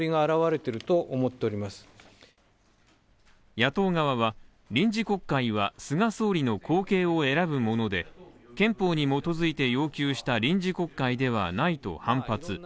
野党側は、臨時国会は菅総理の後継を選ぶもので憲法に基づいて要求した臨時国会ではないと反発。